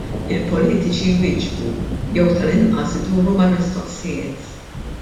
Il-politiċi jwieġbu, jew tal-anqas iduru mal-mistoqsijiet.